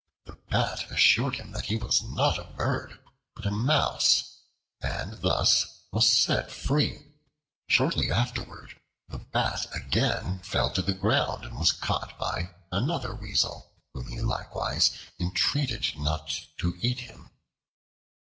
The Bat assured him that he was not a bird, but a mouse, and thus was set free. Shortly afterwards the Bat again fell to the ground and was caught by another Weasel, whom he likewise entreated not to eat him.